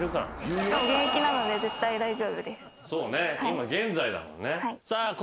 今現在だもんね。